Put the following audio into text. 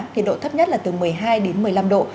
nhiệt độ thấp nhất là từ một mươi hai đến một mươi năm độ